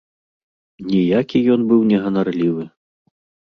Ніякі ён быў не ганарлівы.